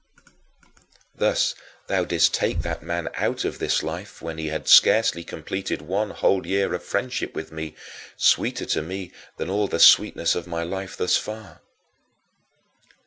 Thus, thou didst take that man out of this life when he had scarcely completed one whole year of friendship with me, sweeter to me than all the sweetness of my life thus far.